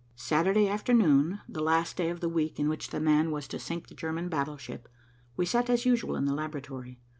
Saturday afternoon, the last day of the week in which the man was to sink the German battleship, we sat as usual in the laboratory.